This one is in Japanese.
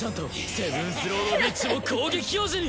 セブンスロード・ウィッチを攻撃表示に！